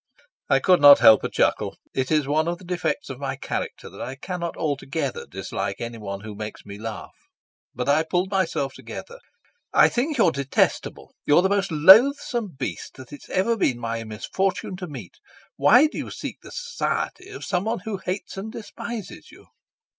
I could not help a chuckle. It is one of the defects of my character that I cannot altogether dislike anyone who makes me laugh. But I pulled myself together. "I think you're detestable. You're the most loathsome beast that it's ever been my misfortune to meet. Why do you seek the society of someone who hates and despises you?"